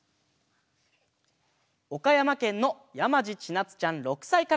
おかやまけんのやまじちなつちゃん６さいから。